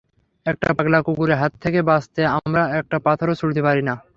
একটা পাগলা কুকুরের হাত থেকে বাঁচতে, আমরা একটা পাথরও ছুড়তে পারি না।